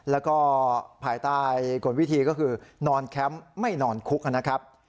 แล้วก็ภายใต้กฎวิธีก็คือนอนแคมป์ไม่นอนคุกนะครับ